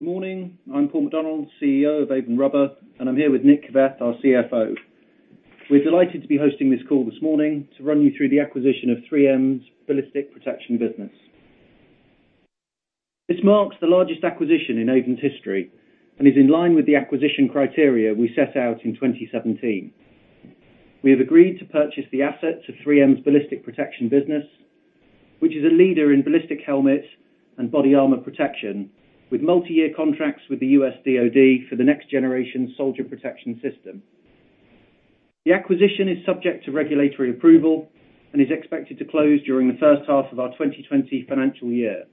Morning. I'm Paul McDonald, CEO of Avon Rubber, and I'm here with Nick Keveth, our CFO. We're delighted to be hosting this call this morning to run you through the acquisition of 3M's ballistic protection business. This marks the largest acquisition in Avon's history and is in line with the acquisition criteria we set out in 2017. We have agreed to purchase the assets of 3M's ballistic protection business, which is a leader in ballistic helmets and body armor protection, with multi-year contracts with the U.S. DOD for the next generation Soldier Protection System. The acquisition is subject to regulatory approval and is expected to close during the first half of our 2020 financial year.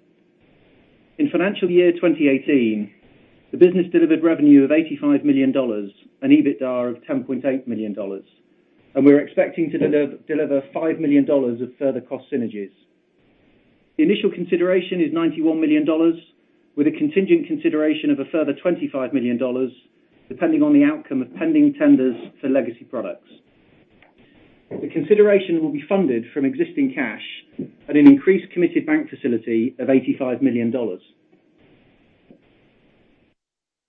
In financial year 2018, the business delivered revenue of $85 million and EBITDA of $10.8 million. We're expecting to deliver $5 million of further cost synergies. The initial consideration is GBP 91 million, with a contingent consideration of a further GBP 25 million, depending on the outcome of pending tenders for legacy products. The consideration will be funded from existing cash at an increased committed bank facility of GBP 85 million.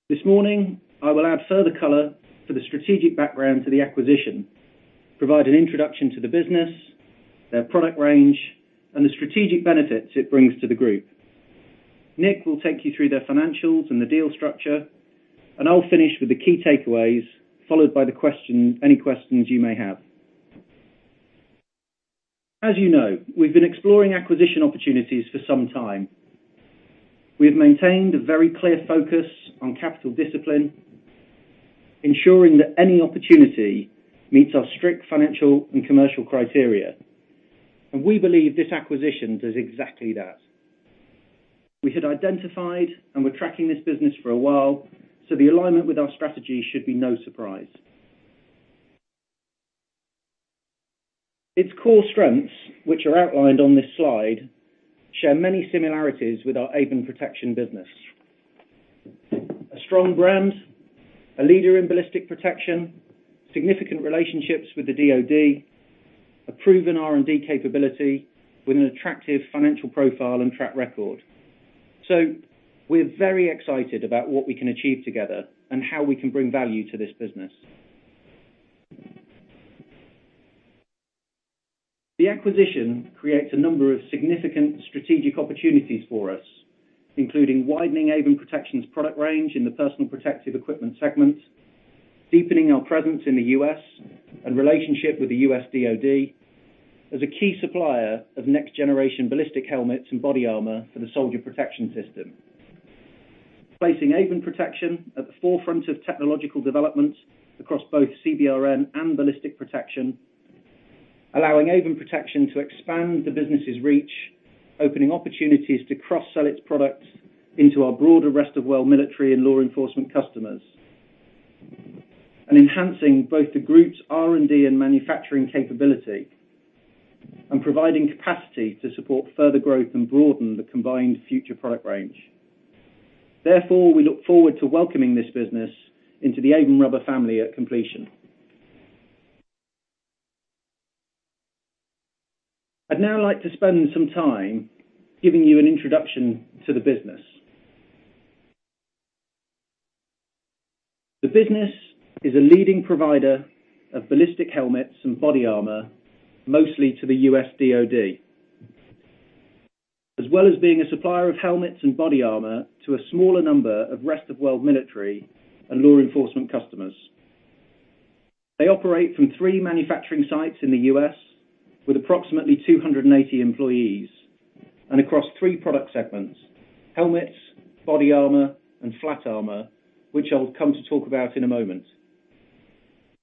This morning, I will add further color for the strategic background to the acquisition, provide an introduction to the business, their product range, and the strategic benefits it brings to the group. Nick will take you through their financials and the deal structure. I'll finish with the key takeaways, followed by any questions you may have. As you know, we've been exploring acquisition opportunities for some time. We have maintained a very clear focus on capital discipline, ensuring that any opportunity meets our strict financial and commercial criteria. We believe this acquisition does exactly that. We had identified and were tracking this business for a while, so the alignment with our strategy should be no surprise. Its core strengths, which are outlined on this slide, share many similarities with our Avon Protection business. A strong brand, a leader in ballistic protection, significant relationships with the DOD, a proven R&D capability with an attractive financial profile and track record. We're very excited about what we can achieve together and how we can bring value to this business. The acquisition creates a number of significant strategic opportunities for us, including widening Avon Protection's product range in the personal protective equipment segment, deepening our presence in the U.S. and relationship with the U.S. DOD as a key supplier of next generation ballistic helmets and body armor for the Soldier Protection System. Placing Avon Protection at the forefront of technological developments across both CBRN and ballistic protection, allowing Avon Protection to expand the business' reach, opening opportunities to cross-sell its products into our broader rest-of-world military and law enforcement customers. Enhancing both the group's R&D and manufacturing capability and providing capacity to support further growth and broaden the combined future product range. Therefore, we look forward to welcoming this business into the Avon Rubber family at completion. I'd now like to spend some time giving you an introduction to the business. The business is a leading provider of ballistic helmets and body armor, mostly to the U.S. DOD. As well as being a supplier of helmets and body armor to a smaller number of rest-of-world military and law enforcement customers. They operate from three manufacturing sites in the U.S. with approximately 280 employees and across three product segments. Helmets, body armor, and flat armor, which I'll come to talk about in a moment.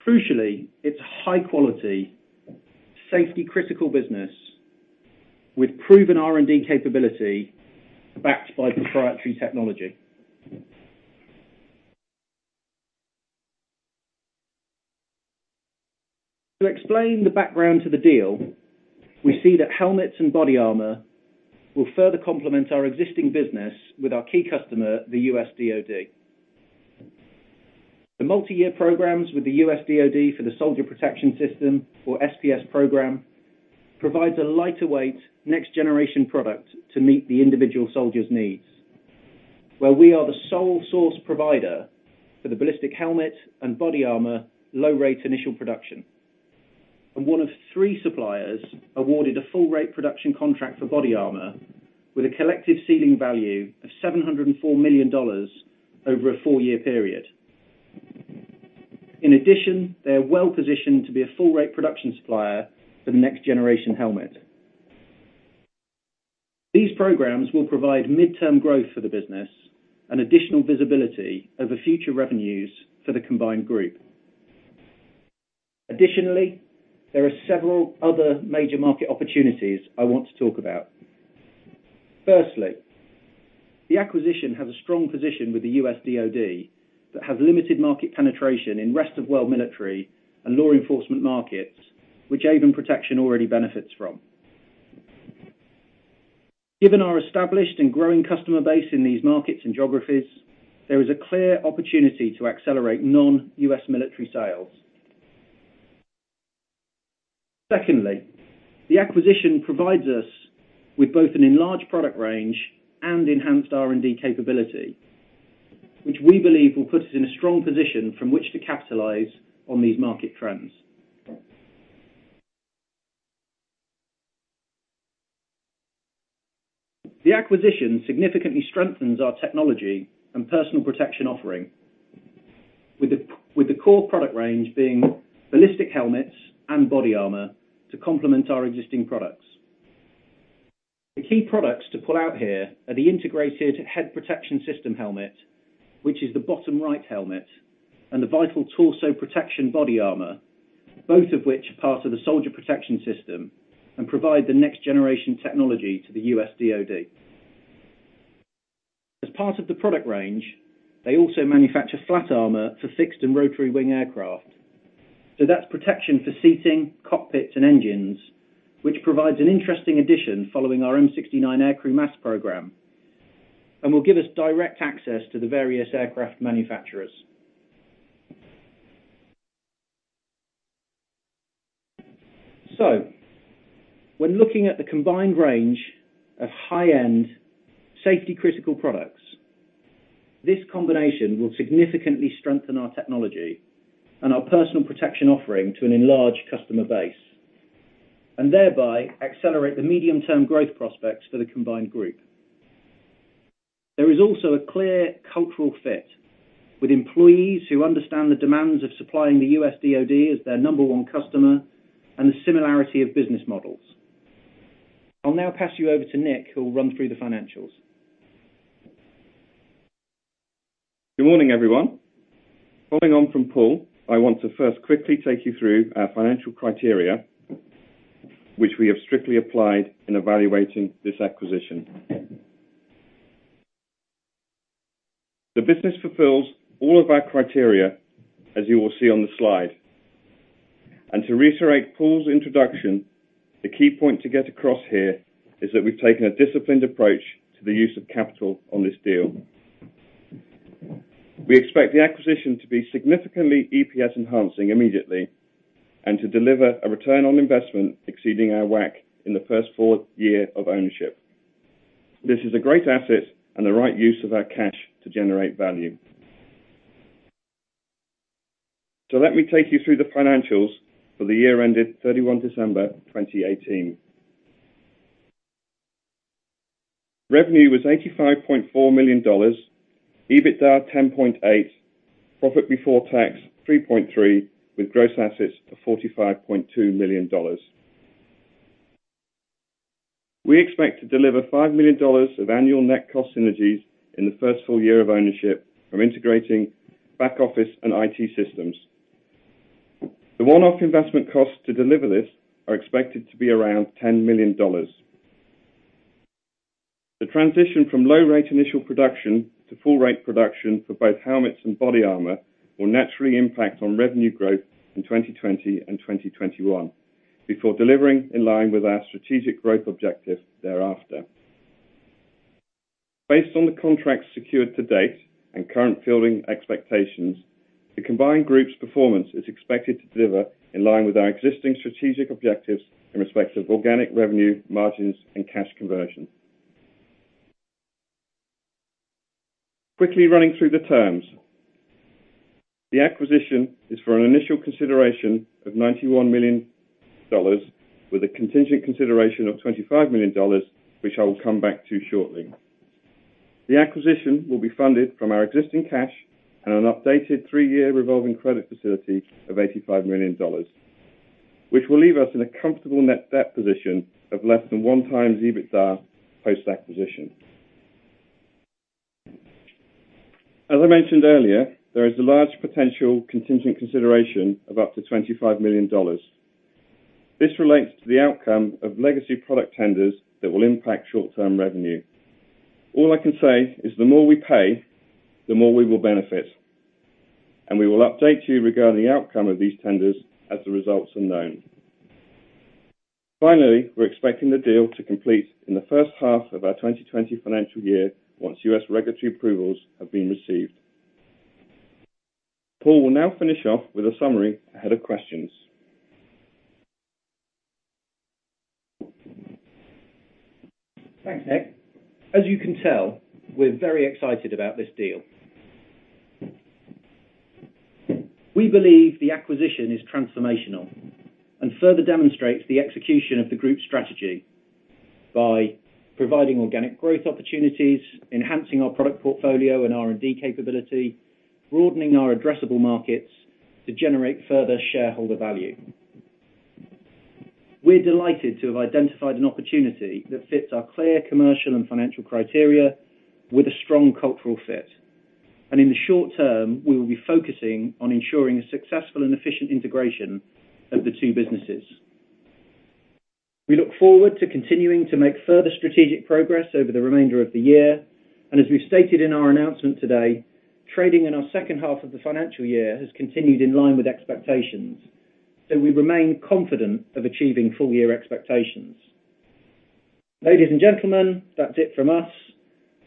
Crucially, its high quality, safety critical business with proven R&D capability backed by proprietary technology. To explain the background to the deal, we see that helmets and body armor will further complement our existing business with our key customer, the U.S. DOD. The multi-year programs with the U.S. DOD for the Soldier Protection System or SPS program provides a lighter weight, next generation product to meet the individual soldier's needs, where we are the sole source provider for the ballistic helmet and body armor Low-Rate Initial Production. One of three suppliers awarded a full rate production contract for body armor with a collective ceiling value of $704 million over a four-year period. In addition, they are well positioned to be a full rate production supplier for the next generation helmet. These programs will provide midterm growth for the business and additional visibility over future revenues for the combined group. There are several other major market opportunities I want to talk about. The acquisition has a strong position with the U.S. DOD that has limited market penetration in rest-of-world military and law enforcement markets, which Avon Protection already benefits from. Given our established and growing customer base in these markets and geographies, there is a clear opportunity to accelerate non-U.S. military sales. The acquisition provides us with both an enlarged product range and enhanced R&D capability, which we believe will put us in a strong position from which to capitalize on these market trends. The acquisition significantly strengthens our technology and personal protection offering, with the core product range being ballistic helmets and body armor to complement our existing products. The key products to pull out here are the Integrated Head Protection System helmet, which is the bottom right helmet, and the Vital Torso Protection body armor, both of which are part of the Soldier Protection System and provide the next generation technology to the US DOD. As part of the product range, they also manufacture flat armor for fixed and rotary wing aircraft. That's protection for seating, cockpits, and engines, which provides an interesting addition following our M69 aircrew mask program, and will give us direct access to the various aircraft manufacturers. When looking at the combined range of high-end safety critical products, this combination will significantly strengthen our technology and our personal protection offering to an enlarged customer base, and thereby accelerate the medium-term growth prospects for the combined group. There is also a clear cultural fit with employees who understand the demands of supplying the U.S. DOD as their number one customer, and the similarity of business models. I'll now pass you over to Nick, who will run through the financials. Good morning, everyone. Following on from Paul, I want to first quickly take you through our financial criteria, which we have strictly applied in evaluating this acquisition. The business fulfills all of our criteria, as you will see on the slide. To reiterate Paul's introduction, the key point to get across here is that we've taken a disciplined approach to the use of capital on this deal. We expect the acquisition to be significantly EPS enhancing immediately, and to deliver a return on investment exceeding our WACC in the first full year of ownership. This is a great asset and the right use of our cash to generate value. Let me take you through the financials for the year ended 31 December 2018. Revenue was GBP 85.4 million, EBITDA 10.8 million, profit before tax 3.3 million, with gross assets of GBP 45.2 million. We expect to deliver GBP 5 million of annual net cost synergies in the first full year of ownership from integrating back office and IT systems. The one-off investment costs to deliver this are expected to be around GBP 10 million. The transition from Low-Rate Initial Production to full rate production for both helmets and body armor will naturally impact on revenue growth in 2020 and 2021, before delivering in line with our strategic growth objective thereafter. Based on the contracts secured to date and current fielding expectations, the combined group's performance is expected to deliver in line with our existing strategic objectives in respect of organic revenue, margins, and cash conversion. Quickly running through the terms. The acquisition is for an initial consideration of GBP 91 million with a contingent consideration of GBP 25 million, which I will come back to shortly. The acquisition will be funded from our existing cash and an updated three-year revolving credit facility of GBP 85 million, which will leave us in a comfortable net debt position of less than one times EBITDA post-acquisition. As I mentioned earlier, there is a large potential contingent consideration of up to GBP 25 million. This relates to the outcome of legacy product tenders that will impact short-term revenue. All I can say is the more we pay, the more we will benefit, and we will update you regarding the outcome of these tenders as the results are known. Finally, we're expecting the deal to complete in the first half of our 2020 financial year once U.S. regulatory approvals have been received. Paul will now finish off with a summary ahead of questions. Thanks, Nick. As you can tell, we're very excited about this deal. We believe the acquisition is transformational and further demonstrates the execution of the group strategy by providing organic growth opportunities, enhancing our product portfolio and R&D capability, broadening our addressable markets to generate further shareholder value. We're delighted to have identified an opportunity that fits our clear commercial and financial criteria with a strong cultural fit. In the short term, we will be focusing on ensuring a successful and efficient integration of the two businesses. We look forward to continuing to make further strategic progress over the remainder of the year. As we've stated in our announcement today, trading in our second half of the financial year has continued in line with expectations. We remain confident of achieving full year expectations. Ladies and gentlemen, that's it from us.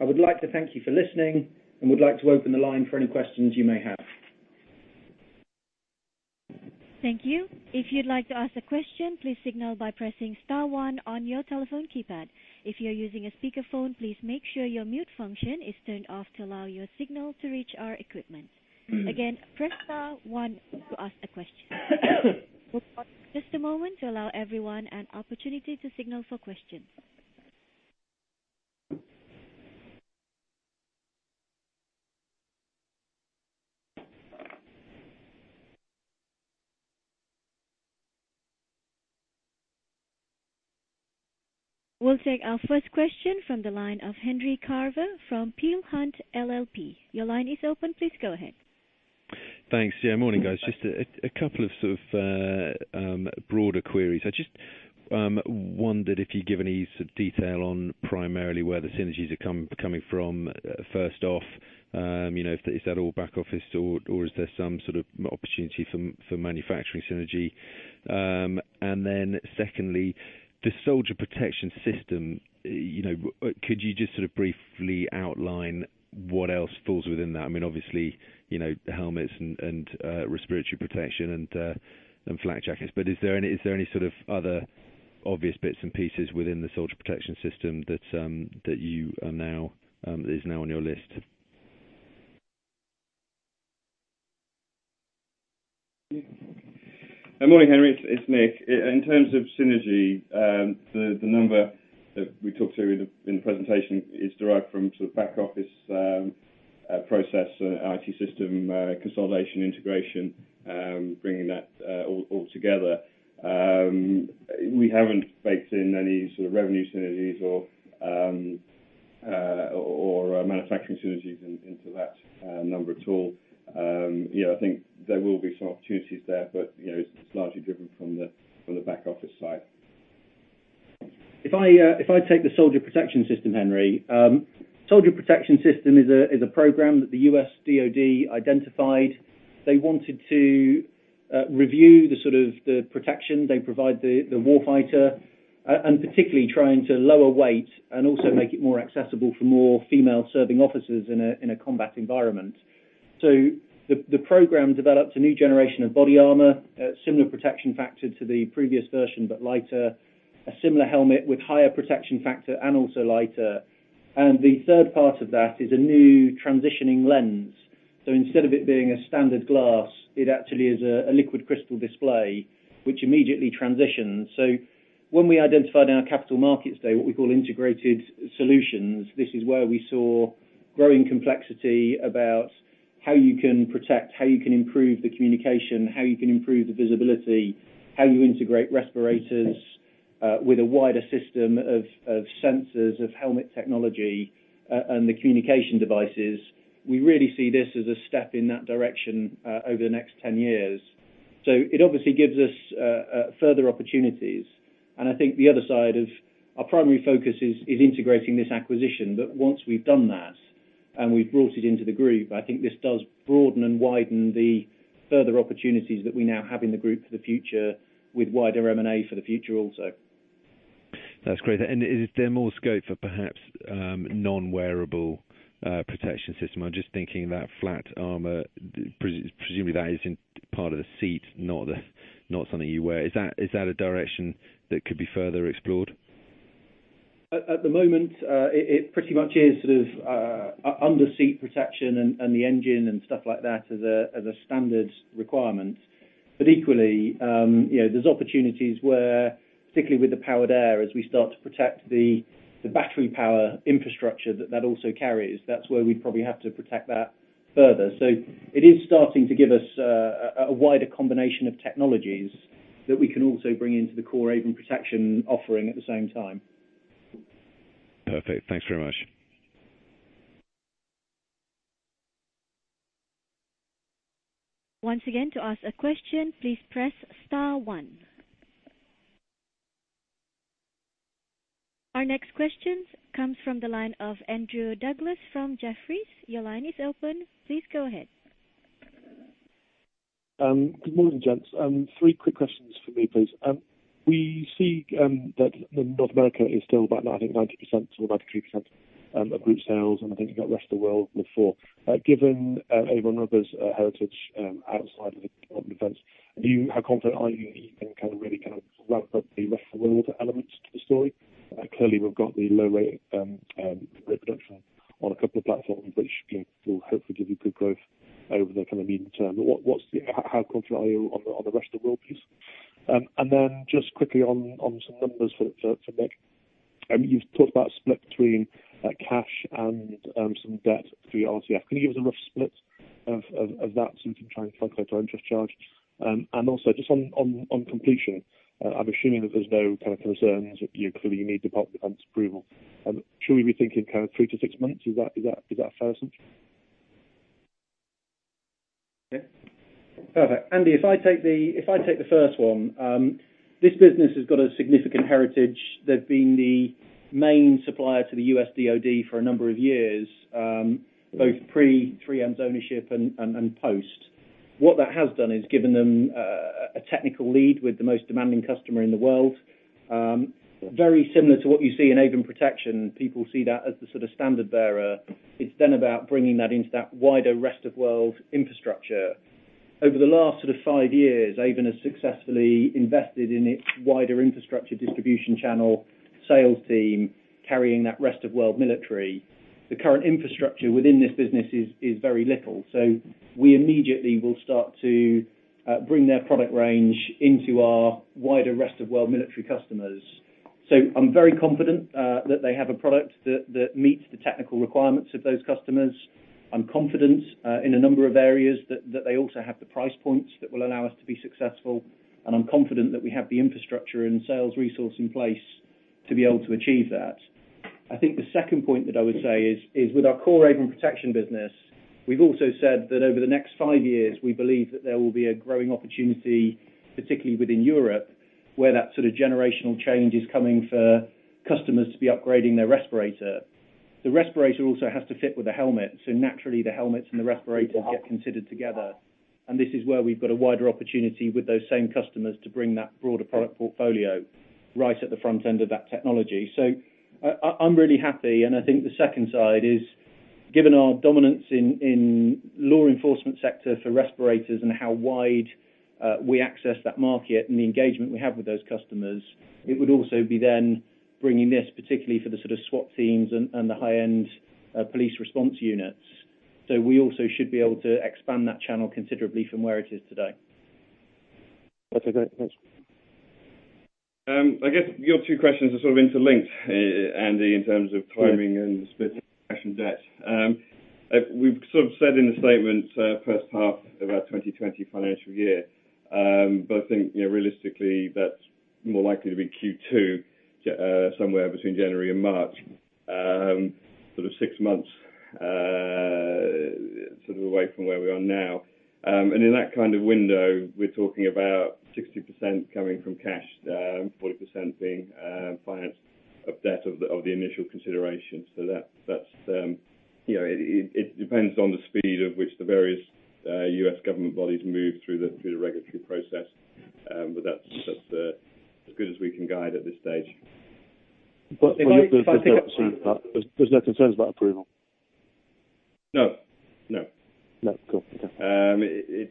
I would like to thank you for listening and would like to open the line for any questions you may have. Thank you. If you'd like to ask a question, please signal by pressing star one on your telephone keypad. If you're using a speakerphone, please make sure your mute function is turned off to allow your signal to reach our equipment. Again, press star one to ask a question. We'll pause just a moment to allow everyone an opportunity to signal for questions. We'll take our first question from the line of Henry Carver from Peel Hunt LLP. Your line is open. Please go ahead. Thanks. Yeah, morning, guys. Just a couple of sort of broader queries. I just wondered if you'd give any sort of detail on primarily where the synergies are coming from, first off. Is that all back office or is there some sort of opportunity for manufacturing synergy? Secondly, the Soldier Protection System, could you just sort of briefly outline what else falls within that? I mean, obviously, the helmets and respiratory protection and flak jackets. Is there any sort of other obvious bits and pieces within the Soldier Protection System that is now on your list? Good morning, Henry. It's Nick. In terms of synergy, the number that we talked through in the presentation is derived from the back-office process, IT system consolidation, integration, bringing that all together. We haven't baked in any sort of revenue synergies or manufacturing synergies into that number at all. I think there will be some opportunities there, but it's largely driven from the back-office side. If I take the Soldier Protection System, Henry. Soldier Protection System is a program that the U.S. DOD identified. They wanted to review the protection they provide the war fighter, and particularly trying to lower weight and also make it more accessible for more female serving officers in a combat environment. The program develops a new generation of body armor, a similar protection factor to the previous version, but lighter, a similar helmet with higher protection factor, and also lighter. The third part of that is a new transitioning lens. Instead of it being a standard glass, it actually is a liquid crystal display, which immediately transitions. When we identified in our capital markets day what we call integrated solutions, this is where we saw growing complexity about how you can protect, how you can improve the communication, how you can improve the visibility, how you integrate respirators with a wider system of sensors, of helmet technology, and the communication devices. We really see this as a step in that direction over the next 10 years. It obviously gives us further opportunities. I think the other side of our primary focus is integrating this acquisition. Once we've done that and we've brought it into the group, I think this does broaden and widen the further opportunities that we now have in the group for the future with wider M&A for the future also. That's great. Is there more scope for perhaps non-wearable protection system? I'm just thinking about flat armor. Presumably, that is in part of the seat, not something you wear. Is that a direction that could be further explored? At the moment, it pretty much is sort of under seat protection and the engine and stuff like that as a standard requirement. Equally, there's opportunities where, particularly with the powered air, as we start to protect the battery power infrastructure that that also carries, that's where we probably have to protect that further. It is starting to give us a wider combination of technologies that we can also bring into the core Avon Protection offering at the same time. Perfect. Thanks very much. Once again, to ask a question, please press star one. Our next question comes from the line of Andy Douglas from Jefferies. Your line is open. Please go ahead. Good morning, gents. Three quick questions for me, please. We see that North America is still about, I think, 90%-93% of group sales. I think you got rest of the world with four. Given Avon Rubber's heritage outside of defense, how confident are you that you can really ramp up the rest of the world elements to the story? Clearly, we've got the Low-Rate Initial Production on a couple of platforms, which will hopefully give you good growth over the medium term. How confident are you on the rest of the world piece? Just quickly on some numbers for Nick. You've talked about a split between cash and some debt through RCF. Can you give us a rough split of that so we can try and calculate our interest charge? Just on completion, I'm assuming that there's no concerns. Clearly, you need Department of Defense approval. Should we be thinking three to six months? Is that a fair assumption? Perfect. Andy, if I take the first one. This business has got a significant heritage. They've been the main supplier to the US DOD for a number of years, both pre 3M's ownership and post What that has done is given them a technical lead with the most demanding customer in the world. Very similar to what you see in Avon Protection. People see that as the standard bearer. It's then about bringing that into that wider rest-of-world infrastructure. Over the last five years, Avon has successfully invested in its wider infrastructure distribution channel sales team carrying that rest-of-world military. The current infrastructure within this business is very little. We immediately will start to bring their product range into our wider rest-of-world military customers. I'm very confident that they have a product that meets the technical requirements of those customers. I'm confident in a number of areas that they also have the price points that will allow us to be successful, and I'm confident that we have the infrastructure and sales resource in place to be able to achieve that. I think the second point that I would say is, with our core Avon Protection business, we've also said that over the next 5 years, we believe that there will be a growing opportunity, particularly within Europe, where that generational change is coming for customers to be upgrading their respirator. The respirator also has to fit with the helmet, so naturally, the helmets and the respirators get considered together. This is where we've got a wider opportunity with those same customers to bring that broader product portfolio right at the front end of that technology. I'm really happy, and I think the second side is, given our dominance in law enforcement sector for respirators, and how wide we access that market and the engagement we have with those customers, it would also be then bringing this particularly for the SWAT teams and the high-end police response units. We also should be able to expand that channel considerably from where it is today. That's okay, thanks. I guess your two questions are interlinked, Andy, in terms of timing and split cash and debt. We've said in the statement first half of our 2020 financial year. I think realistically, that's more likely to be Q2, somewhere between January and March, six months away from where we are now. In that window, we're talking about 60% coming from cash, 40% being financed of debt of the initial consideration. It depends on the speed of which the various U.S. government bodies move through the regulatory process. That's as good as we can guide at this stage. There's no concerns about approval? No. No. Cool. Okay.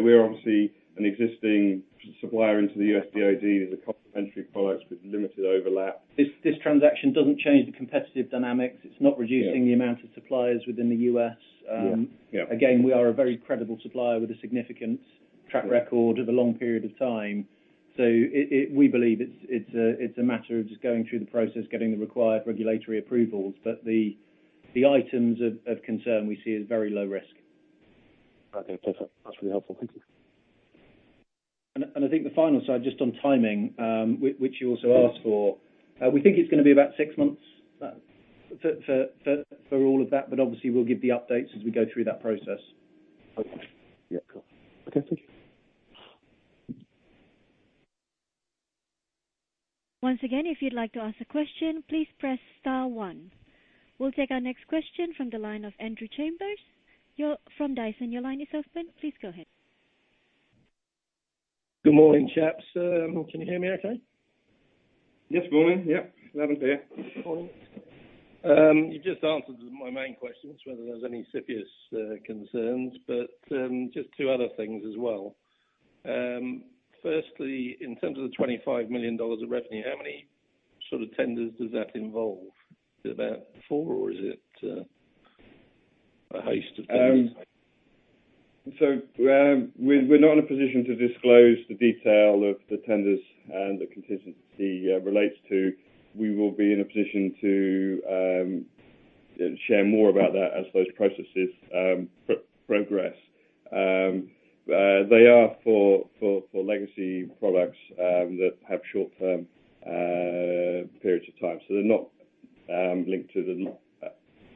We are obviously an existing supplier into the U.S. DOD as a complementary product with limited overlap. This transaction doesn't change the competitive dynamics. Yeah the amount of suppliers within the U.S. Yeah. We are a very credible supplier with a significant track record of a long period of time. We believe it's a matter of just going through the process, getting the required regulatory approvals. The items of concern we see as very low risk. Okay, perfect. That's really helpful. Thank you. I think the final side, just on timing, which you also asked for. We think it's going to be about six months for all of that, but obviously, we'll give the updates as we go through that process. Okay. Yeah, cool. Okay. Thank you. Once again, if you'd like to ask a question, please press star 1. We'll take our next question from the line of Andrew Chambers from Dyson. Your line is open. Please go ahead. Good morning, chaps. Can you hear me okay? Yes. Morning. Yeah. Loud and clear. Morning. You just answered my main questions, whether there was any CFIUS concerns, but just two other things as well. Firstly, in terms of the GBP 25 million of revenue, how many tenders does that involve? Is it about four? We're not in a position to disclose the detail of the tenders and the contingency relates to. We will be in a position to share more about that as those processes progress. They are for legacy products that have short-term periods of time. They're not linked to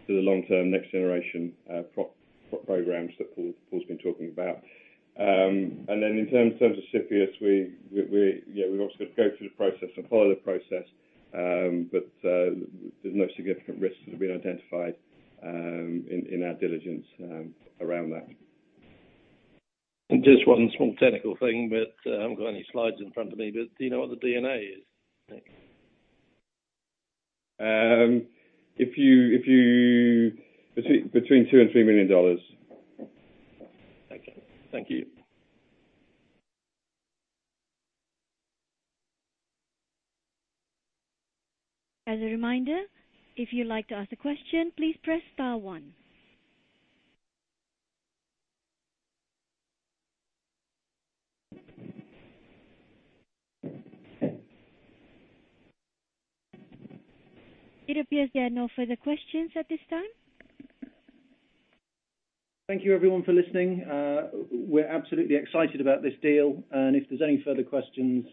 the long-term, next generation programs that Paul's been talking about. In terms of CFIUS, we obviously got to go through the process and follow the process. There's no significant risks that have been identified in our diligence around that. Just one small technical thing, but I haven't got any slides in front of me, but do you know what the D&A is? Thanks. Between 2 million and GBP 3 million. Thank you. As a reminder, if you'd like to ask a question, please press star one. It appears there are no further questions at this time. Thank you, everyone, for listening. We're absolutely excited about this deal, and if there's any further questions,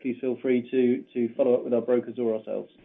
please feel free to follow up with our brokers or ourselves.